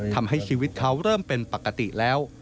ทำให้ชีวิตเขาเริ่มเป็นปกติแล้ว